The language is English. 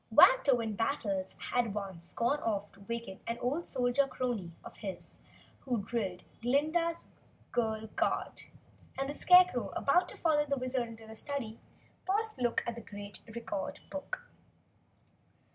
Wantowin Battles had at once gone off to waken an old Soldier Crony of his who drilled Glinda's Girl Guard, and the Scarecrow, about to follow the Wizard into the study, paused to look at the great record book.